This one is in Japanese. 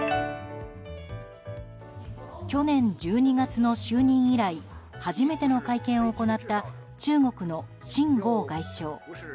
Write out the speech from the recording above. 去年１２月の就任以来初めての会見を行った中国のシン・ゴウ外相。